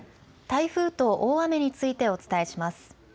台風と大雨についてお伝えします。